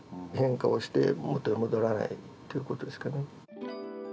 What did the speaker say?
変化をしてもとへ戻らないということですかね。